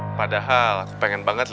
gimana sekarang better